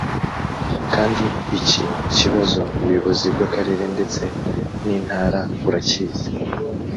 kandi iki kibazo ubuyobozi bw’Akarere ndetse n’Intara burakizi